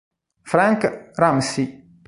Frank Ramsey